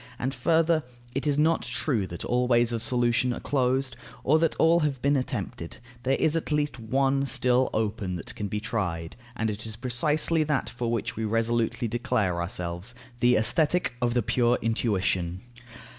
And further, it is not true that all ways of solution are closed, or that all have been attempted. There is at least one still open that can be tried; and it is precisely that for which we resolutely declare ourselves: the Aesthetic of the pure intuition.